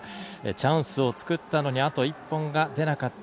チャンスを作ったのにあと１本が出なかった。